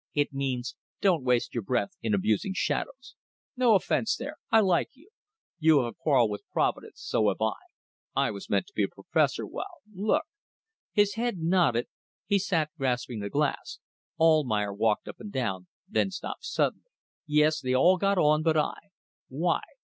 It means: Don't waste your breath in abusing shadows. No offence there. I like you. You have a quarrel with Providence so have I. I was meant to be a professor, while look." His head nodded. He sat grasping the glass. Almayer walked up and down, then stopped suddenly. "Yes, they all got on but I. Why?